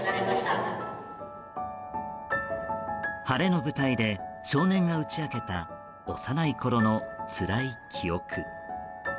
晴れの舞台で少年が打ち明けた幼いころのつらい記憶。